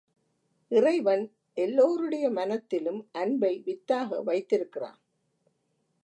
இறைவன் எல்லோருடைய மனத்திலும் அன்பை வித்தாக வைத்திருக்கிறான்.